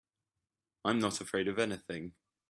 I'm not afraid of anything.